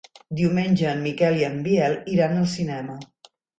Diumenge en Miquel i en Biel iran al cinema.